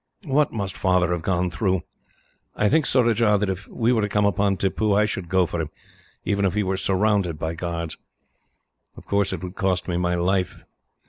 What must Father have gone through! I think, Surajah, that if we were to come upon Tippoo I should go for him, even if he were surrounded by guards. Of course it would cost me my life.